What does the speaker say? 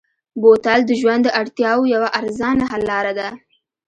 بوتل د ژوند د اړتیاوو یوه ارزانه حل لاره ده.